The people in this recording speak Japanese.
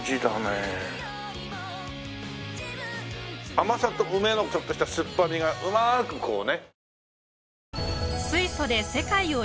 甘さと梅のちょっとした酸っぱみがうまくこうね。